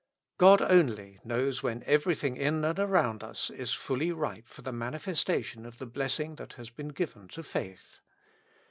God only knows when every thing in and around us is fully ripe for the manifesta tion of the blessing that has been given to faith.